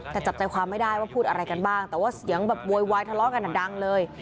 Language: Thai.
แต่จับใจความไม่ได้ว่าพูดอะไรกันบ้างแต่ว่าเสียงแบบโวยวายทะเลาะกันดังเลย